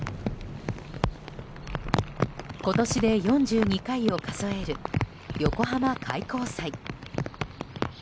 今年で４２回を数える横浜開港祭。